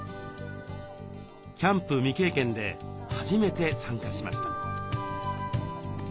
キャンプ未経験で初めて参加しました。